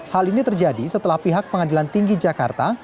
hal ini terjadi setelah pihak pengadilan tinggi jakarta